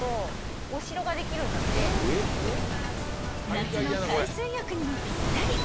［夏の海水浴にもぴったり］